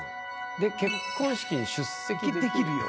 で「結婚式に出席できるよ」。